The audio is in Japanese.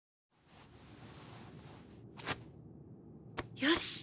よし！